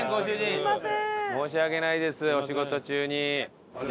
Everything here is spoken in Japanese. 申し訳ないですお仕事中に。